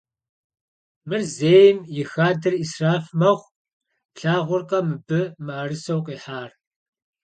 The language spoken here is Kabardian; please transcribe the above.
Mır zêym yi xader 'israf mexhu, plhağurkhe mıbı mı'erıseu khihar?